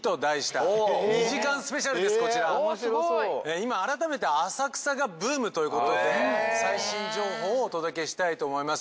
今改めて浅草がブームということで最新情報をお届けしたいと思います。